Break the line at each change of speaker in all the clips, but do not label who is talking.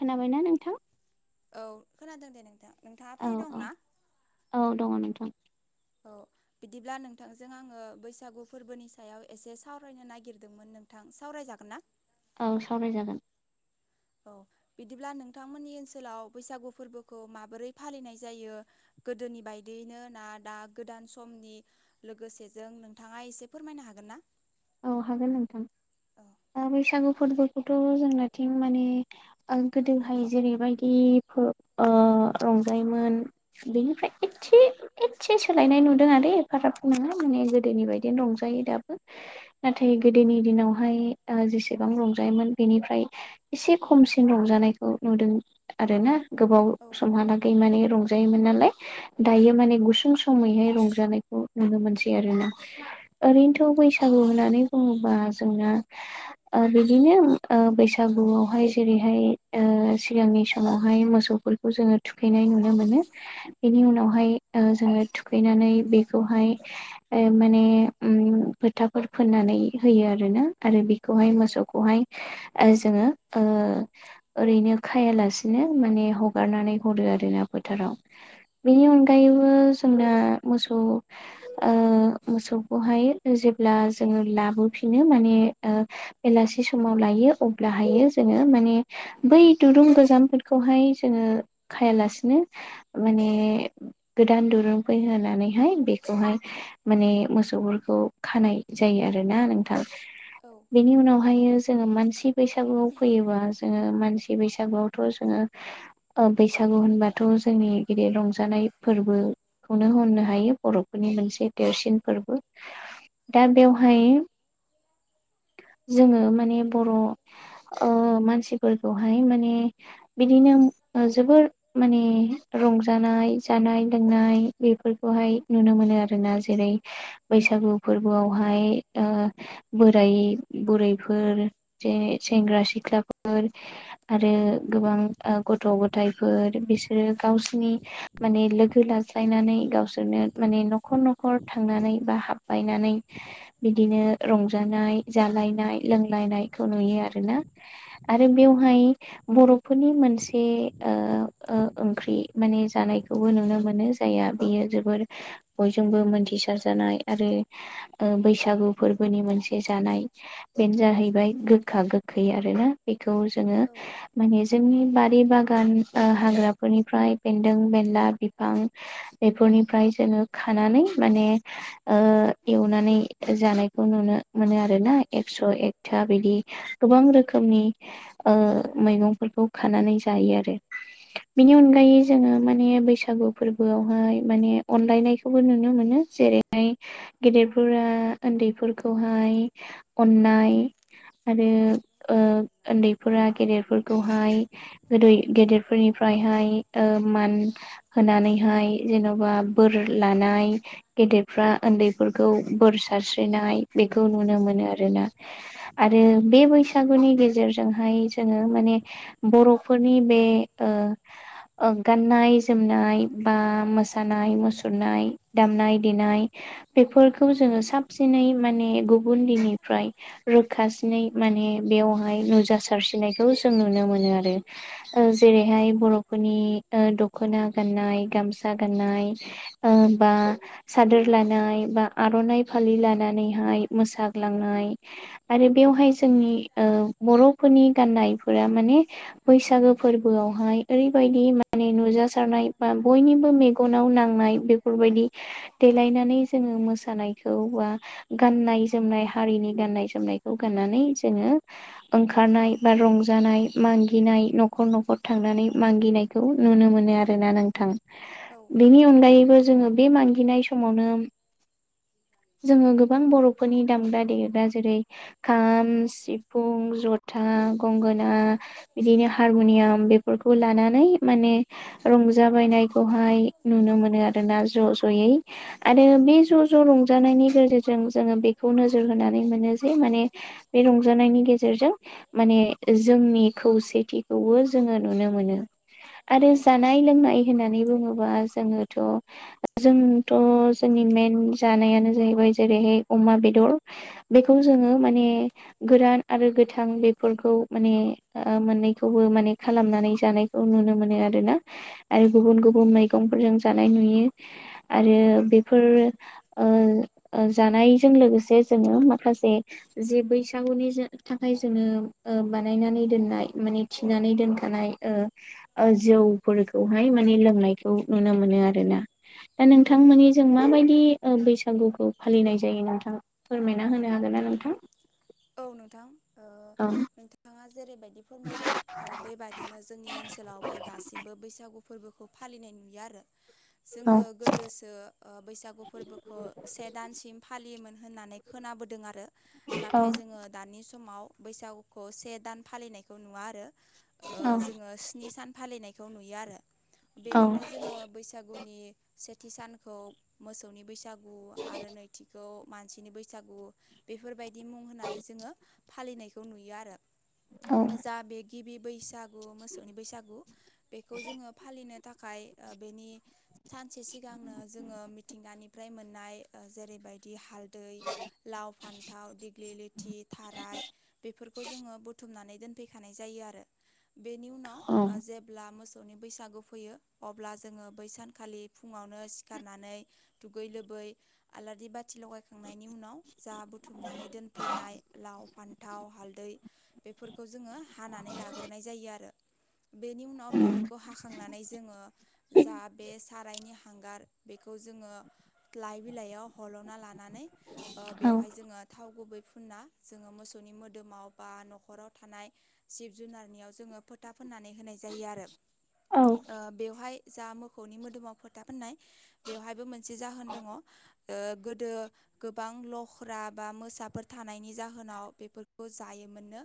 खोनाबायना नोंथां?
औ खोनादों दे नोंथां, नोंथाङा
औ
फ्रि दं
औ
ना?
औ [inaudible]
औ बिदिब्ला नोंथांजों आंङो बैसागु फोरबोनि सायाव एसे सावरायनो नागिरदोंमोन नोंथां सावराय जागोन ना?
औ सावराय जागोन।
औ बिदिब्ला नोंथांमोननि ओनसोलाव बैसागु फोरबोखौ माबोरै फालिनाय जायो? गोदोनि बायदियैनो ना दा गोदान समनि लोगोसेजों नोंथाङा एसे फोरमायनो हागोन ना?
औ हागोन नोंथां,
औ
दा बैसागु फुटबल खौथ' जोंनाथिं माने गोदोहाय जेरैबायदि फो ओ ओ रंजायोमोन बेनिफ्राय एसे एसे सोलायनाय नुदों आरो एफाग्राबो नङा। माने गोदोनि बायदिनो रंजायो दाबो। नाथाय गोदोनि दिनावहाय ओ जेसेबां रंजायोमोन बेनिफ्राय एसे खमसिन रंजा नायखौ नुदों आरो ना गोबाव
औ
समहालागै माने रंजायोमोन नालाय। दायो माने गुसुं समैहाय रंजानायखौ नुनो मोनसै आरो ना। ओरैनोथ' बैसागु होननानै बुङोबा जोंना ओ बिदिनो ओ बैसागुआवहाय जेरैहाय ओ सिगांनि समावहाय मोसौफोरखौ जोङो थुखैनाय नुनो मोनो, बेनि उनावहाय ओ जोङो थुखैनानै बेखौहाय, ओ माने उम फोथा फोर फोननानै होयो आरोना‌ आरो बेखौहाय
औ
मोसौखौहाय ओ जोङो ओ ओरैनो खायालासिनो माने हगारनानै हरो आरोना बोथोराव। बेनि अनगायैबो जों दा मोसौ ओ मोसौ खौहाय जे ब्ला जोङो लाबोफिनो माने ओ बेलासि समाव लायो अब्लाहायो जोङो माने बै दुरुं गोजामफोरखौहाय जोङो खायालासिनो माने गोदान दुरुं फै होनानैहाय बेखौहाय माने मोसौफोरखौ खानाय जायो आरोना नोंथां।
औ
बेनि उनावहाय जोङो मानसि बैसागुआव फैयोबा जोङो मानसि बैसागुआवथ' जोङो, बैसागु होनबाथ' जोंनि गिदिर रंजानाय फोर्बोखौनो होननो हायो बर'फोरनि मोनसे देरसिन फोर्बो। दा बेवहाय
[inaudible]
जोङो माने बर' ओ मानसिफोरखौहाय माने बिदिनो जोबोर माने रंजानाय, जानाय, लोंनाय बेफोरखौहाय नुनो मोनो आरोना जेरै बैसागु फोर्बोआवहाय ओ बोराय-बुरैफोर जे सेंग्रा-सिख्ला ख्लाफोर आरो गोबां गथ'-गथायाइफोर बिसोरो गावसोरनि माने लोगो लाज्लायनानै गावसोरनो माने न'खर न'खर थांनानै बा हाब बायनानै बिदिनो रंजानाय जालायनाय लोंलायनायखौ नुयो आरो ना। आरो बेवहाय बर' फोरनि मोनसे ओ ओंख्रि माने जानायखौबो नुनो मोनो जाया बेयो जोबोर बयजोंबो मोनथिसार जानाय आरो ओ बैसागु फोर्बोनि मोनसे जानाय। बेनो जाहैबाय गोखा गो खै आरोना। बेखौ जोङो
औ
माने जोंनि बारि बागान ओ हाग्राफोरनिफ्राय बेन्दों बेनला बिफां बेफोर निफ्राय जो खानानै माने‌
[inaudible]
एवनानै जानायखौ नुनो मोनो आरो ना एकस' एकथा बिदि गोबां रोखोम नि ओ मैगंफोरखौ खानानै जायो आरो बिनि अनगायै जोङो माने बैसागु फोर्बोआवहाय माने अनलायनायखौबो नुनो मोनो। जेरै फ्राय गेदेरफोरा उन्दैफोरखौहाय अननाय आरो उन्दैफोरा गेदेरफोरखौहाय गोदै गेदेरफोरनिफ्रायहाय मान होनानैहाय जेन'बा बोर लानाय गेदेद फ्रा उन्दैफोरखौ बोर सारस्रिनाय बेखौ नुनो मोनो आरोना आरो बे बैसागुनि गेजेरजोंहाय जोङो माने बर'फोरनि बे ओ गाननाय जोमनाय बा मोसानाय मुसुरनाय दामनाय देनाय बेफोरखौ जोङो साबसिनै माने गुबुन दिननिफ्राय रोखा नै माने बेयावहाय नुजा सारसिनाय खौ जों नुनो मोनो आरो जेरैहाय बर'फोर नि दख'ना गाननाय गामसा गाननाय बा सादोर लानाय बा आर'नाइ फालि लानानैहाय मोसाग्लांनाय आरो बे बेवहाय जोंनि बर'फोरनि गान्नायफोरा माने बैसागो फोरबोआवहाय ओरैबायदि माने नुजासारनाय बा बयनिबो मेगनाव नांनाय बेफोरबायदि देलायनानै जोङो मोसानायखौ बा गाननाय जोमनाय हारिनि गाननाय जोमनायखौ गाननानै जोङो ओंखारनाय बा रंजा नाय मागिनाय न'खर न'खर थांनानै मागिनायखौ नुनो मोनो आरो ना नोंथां।
औ
बेनि अनगायैबो जोङो बे मागिनाय समावनो
[inaudible]
जोङो गोबां बर'फोरनि दामग्रा देग्रा जेरै खाम सिफुं जथा ना गंगना बिदिनो बिदिनो हारमुनियाम बेफोरखौ लानानै माने रंजा बायनायखौहाय नुनो मोनो आरो ना ज' ज'यै आरो बे ज' ज' रंजानायनि गेजेरजों जोङो बेखौ नोजोर होनानै मोनो जे माने बे रंजानायनि गेजेरजों माने जोंनि खौसेथिखौबो जोङो नुनो मोनो। आरो
औ
जानाय लोंनाय होननानै बुङोबा जोङोथ' जों थ' जोंनि मेेन जानायानो जाहैबाय जेरैहाय अमा बेदर बेखौ जोङो माने गोरान आरो गोथां बेफोरखौ माने मोननैखौबो माने खालामनानै जायो जानायखौ नुनो मोनो आरोना आरो गुबुन गुबुन मैगंफोरजों जानाय नुयो आरो बेफोर ओम जानायजों लोगोसे जोङो माखासे जे बैसागुनि थाखाय जोङो बानायनानै दोननाय माने थिनानै दोनखानाय ओ आरो जौ फोरखौहाय माने लोंनायखौ नुनो मोनो आरोना। दा
औ
नोंथांमोननि जों माबायदि बैसागुखौ फालिनाय जायो नोंथां फोरमायना होनो हागोन ना नोंथां?
औ नोंथां।
ओ।
नोंथाङा जेरैबायदि फोरमायदों बेबायदिनो जोंनि ओनसोलावबो दासिमबो बैसागु फोरबोखौ फालिनाय नुयो आरो
औ
जोङो गोदोसो बैसागु फोरबोखौ से दानसिम फालियोमोन होननानै खोनाबोदों आरो नाथाय
औ
जोङो दानि सम समाव बैसागुखौ से दान फालिनायखौ नुवा आरो
औ
जोङो स्नि सान फालिनायखौ नुयो आरो
औ
बेनिनो जोङो बैसागु गुनि सेथि सानखौ मोसौनि बैसागु आरो नैथिखौ मानसिनि बैसागु बेफोरबायदि मुं होननानै जोङो फालिनायखौ नुयो आरो
औ
जा बे गिबि बैसागु मोसौनि बैसागु बेखौ जोङो फालिनो थाखाय बेनि सानसे सिगांनो जोङो मिथिंगानि नोय मोननाय जेरैबायदि हालदै लाव फान्थाव बेलिथि थाराय बेफोरखौ जोङो बुथुमनानै दोनफैखानाय जायो आरो बेनि
औ
उनाव जेब्ला मोस मोसौनि बैसागु फैयो अब्ला जोङो बै सानखालि फुङावनो सिखारनानै दुगै लोबै बै आलारि बाथि लगायखांनायनि उनाव जा बुथुमनानै दोनफैनाय लाव फान्थाव हालदै बेफोरखौ जोङो हानानै लाग्रोनाय जायो आरो बेनि उनाव बेफोरखौ
औ
हाखांनानै जोङो जा बे सारायनि हांगार बेखौ जोङो लाइ बिलाइयाव हल'ना लानानै ओ बेवहाय जोङो थाव गुबै फुनना जोङो मोसौनि मोदोमाव बा न'खराव थानाय जिब जुनारनियाव जोङो फोथा फोननानै होनाय जायो आरो ओ बेवहाय जा मोखौनि मोदोमाव फोथा फनाय बेवहायबो मोनसे जाहोन दङ गोदो गोबां लख्रा बा मोसाफोर थानायनि जाहोनाव बेफोरखौ जायोमोननो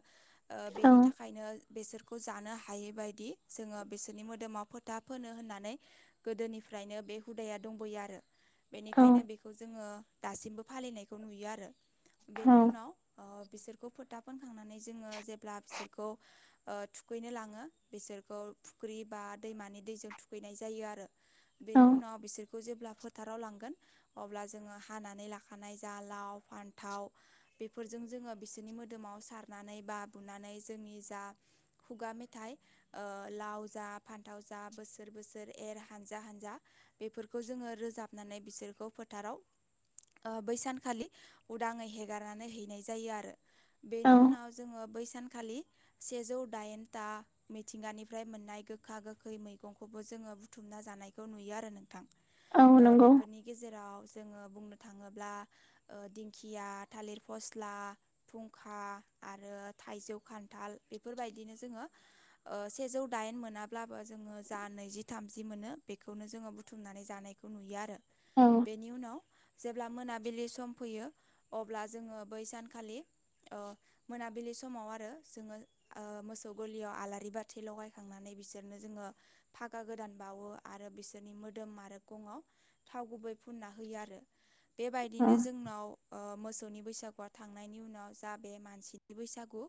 ओ बेनि थाखायनो बेसोरखौ जानो हायैबायदि जोङो बिसोरनि मोदोमाव फोथा फोनो होननानै गोदोनिफ्राय, फ्रायनो बे हुदाया दंबोयो आरो बेनिखायनो बेखौ जोङो दासिमबो फालिनायखौ नुयो आरो बेनि
औ
उनाव ओ बिसोरखौ फोथा फोनखांनानै जोङो जेब्ला बिसोरखौ ओ थुखैनो लाङो बिसोरखौ फुख्रि बा बा दैमानि दैजों थुखैनाय जायो आरो बेनि उनाव बिसोर खौ जेब्ला फोथाराव लांगोन अब्ला जोङो हानानै लाखानाय जा लाव फान थाव बेफोरजों जोङो बिसोरनि मोदोमाव सारनानै बा बुनानै जोंनि जा खुगा मेथाइ ओ लाव जा फान्थाव जा बोसोर बोसोर एर हानजा हानजा बेफोरखौ जोङो रोजाबनानै बिसोरखौ फोथाराव ओ बै सानखालि उदाङै हेगारनानै हैनाय जायो आरो
औ
बेनि उनाव जोङो बै सानखालि सेजौ दाइनथा मिथिंगानिफ्राय मोननाय गोखा गोखै मैगंखौबो जोङो बुथुमनो ना जानायखौ नुयो आरो नोंथां,
औ
ओ
नंगौ
बेफोरनि गेजेराव जोङो बुंनो थाङोब्ला ओ‌ दिन दिंखिया थालिर फस्ला फुंखा आरो थाइजौ खान्थाल बेफोरबाय बिदिनो जोङो ओ सेजौ दाइन मोनाब्लाबो जोङो जा नैजि थामजि मोनो बेखौनो जोङो बुथुमनानै जानायखौ नुयो आरो
औ
बेनि उनाव जेब्ला मोनाबिलि सम फैयो। अब्ला जोङो बै सानखालि ओ मोनाबिलि समाव आरो जोङो ओ मोसौ गलियाव आलारि बाथि लगायखांनानै, बिसोरनो जोङो फागा गोदान बावो आरो बिसोरनि मोदोम आरो गङाव थाव गुबै, फुनना होयो आरो
औ
बेबायदिनो जोंनाव, ओ मोसौनि बैसागुआ थांनायनि उनाव जा बे मानसिनि बैसागु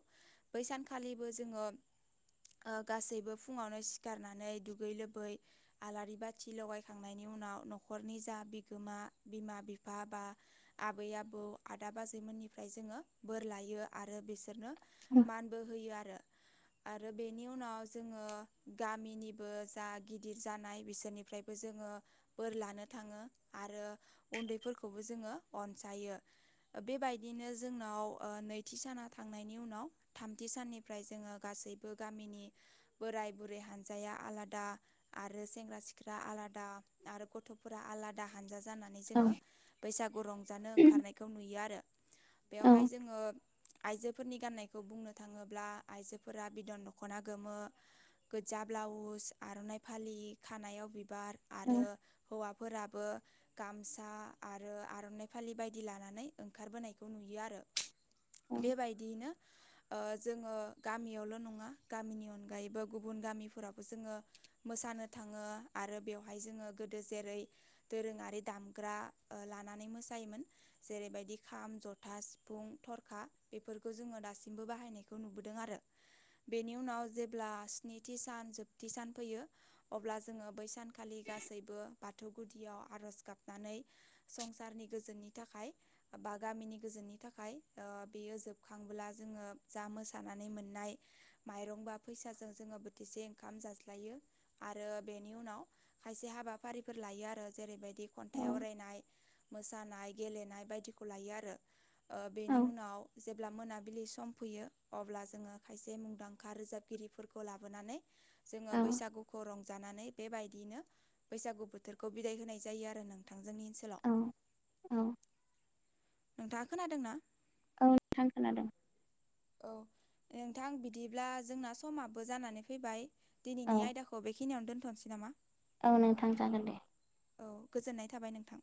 बै सानखालिबो जोङो, [unintelligible] ओ गासैबो फुङावनो सिखारनानै दुगै लोबै आलारि बाथि लगायखांनायनि उनाव न'खरनि जा बिगोमा बिमा बिफा बा आबै आबौ आदा बाजै मोननिफ्राय जोङो बोर लायो आरो बिसोरनो मानबो होयो आरो, [inaudible] आरो बेनि उनाव जोङो गामिनिबो जा गिदिर जानाय बिसोरनिफ्रायबो जोङो ओ बोर लानो थाङो आरो उन्दैफोरखौबो जोङो अनसायो बेबायदिनो जोंनाव ओ नैथि साना थांनायनि उनाव थामथि साननिफ्राय जोङो, ओ गासैबो गामिनि बोराय बुरै हानजाया आलादा आरो सेंग्रा सिख्ला आलाद दा आरो गथ'फोरा आलादा हानजा जानानै
औ
जोङो बैसागु रंजानो, ओंखारनायखौ नुयो आरो बेयावहाय
औ
जोङो, आइजोफोरनि गान्नायखौ बुंनो थाङोब्ला आइजोफोरा बिदन दख'ना गोमो, गोजा ब्लाउस आर'नाइ फालि खानायाव बि बिबार आरो हौवाफोराबो गामसा आरो आर'नाइ फालि बाय बायदि लानानै ओंखारबोनायखौ नुयो आरो बेबायदियैनो ओ जोङो गामियावल' नङा गामिनि अनगायैबो गुबुन गामिफोरावबो जोङो मोसा नो थाङो आरो बेवहाय जोङो गोदो जेरै दोरोङारि दामग्रा लानानै मोसायोमोन। जेरैबायदि खाम, जथा, सिफुं, थरखा बेफोरखौ जोङो दासिमबो बाहायनायखौ नुबोदों आरो। बेनि उनाव जेब्ला स्निथि सान जोबथि सान फैयो अब्ला जोङो बै सान खालि गासैबो बाथौ गुदियाव आर'ज गाबनानै संसारनि गोजोननि थाखाय बा गामिनि गोजोननि थाखाय ओ बेयो जोबखांबोला जोङो जा मोसानाय नै मोननाय माइरं बा फैसाजों जोङो बोथिसे ओंखाम जाज्लायो आरो बेनि उनाव खायसे हाबाफारिफोर लायो आरो जेरैबायदि खन्थाइ आवरायनाय मोसानाय गेलेनाय बायदिखौ लायो आरो। ओ बेनि
औ
उनाव जे ब्ला मोनाबिलि सम फैयो अब्ला जोङो खायसे मुंदांखा रोजाबगिरिफोरखौ लाबोनानै जोङो बैसागुखौ रंजानानै बेबायदियैनो बैसागु बोथोरखौ बिदाय होनाय जायो आरो नोंथां जोंनि
औ
ओनसोलाव।
औ
नोंथाङा खोनादोंना?
औ नोंथां खोनादों।
औ नोंथां बिदिब्ला जोंना समाबो जानानै फैबाय।
औ
दिनैनि आयदाखौ बेखिनियावनो दोनथ'नोसै नामा?
औ नोंथां जागोन दे।
औ गोजोननाय थाबाय नोंथां।